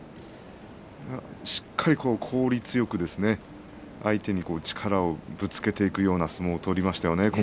しっかり効率よく相手に力をぶつけていくような相撲を取りましたね